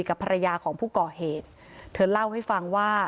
กับภรรยาของผู้ก่อเหตุเธอเล่าให้ฟังว่า